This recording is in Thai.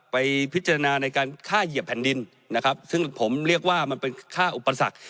ไปพิจารณาในการฆ่าเหยียบแผ่นดินนะครับซึ่งผมเรียกว่ามันเป็นค่าอุปสรรค